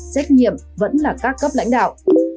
trách nhiệm vẫn là các cấp lãnh đạo